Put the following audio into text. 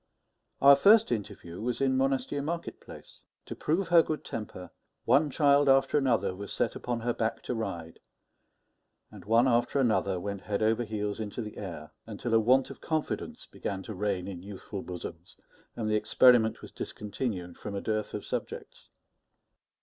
Our first interview was in Monastier market place. To prove her good temper, one child after another was set upon her back to ride, and one after another went head over heels into the air; until a want of confidence began to reign in youthful bosoms, and the experiment was discontinued from a dearth of subjects.